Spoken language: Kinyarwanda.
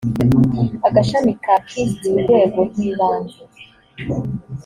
agashami ka kist urwego rw ibanze